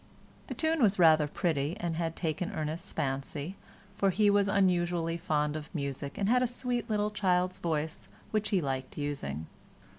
The tune was rather pretty and had taken Ernest's fancy, for he was unusually fond of music and had a sweet little child's voice which he liked using.